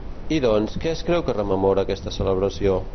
I doncs, què es creu que rememora aquesta celebració?